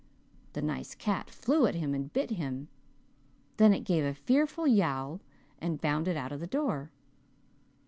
The nice cat flew at him and bit him. Then it gave a fearful yowl, and bounded out of the door.